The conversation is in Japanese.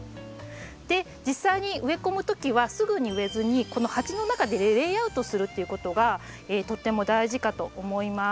実際に植え込む時はすぐに植えずにこの鉢の中でレイアウトするっていうことがとっても大事かと思います。